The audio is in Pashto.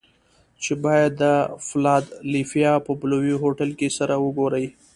چې بايد د فلادلفيا په بلوويو هوټل کې سره وګوري.